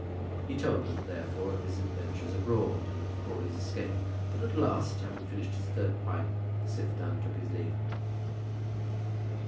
He told them, therefore, of his adventures abroad, and of Crawley's escape. But at last, having finished his third pipe, Siph Dunn took his leave.